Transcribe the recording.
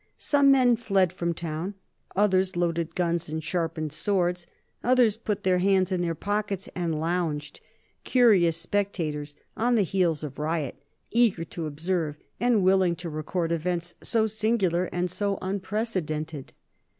Some men fled from town; others loaded guns and sharpened swords; others put their hands in their pockets and lounged, curious spectators, on the heels of riot, eager to observe and willing to record events so singular and so unprecedented.